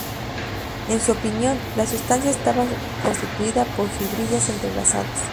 En su opinión, la sustancia estaba constituida por fibrillas entrelazadas.